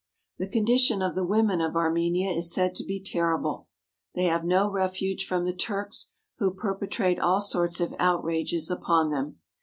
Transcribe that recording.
The condition of the women of Armenia is said to be terrible. They have no refuge from the Turks, who perpetrate all sorts of outrages upon them.